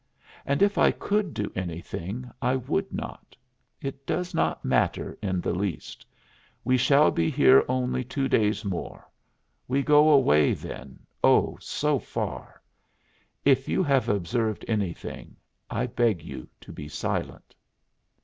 And if I could do anything I would not. It does not matter in the least. We shall be here only two days more; we go away then, oh, so far! If you have observed anything, I beg you to be silent."